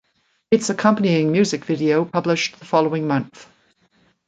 Its accompanying music video published the following month.